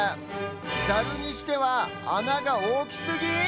ざるにしてはあながおおきすぎ⁉